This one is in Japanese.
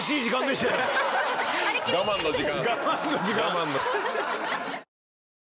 我慢の時間。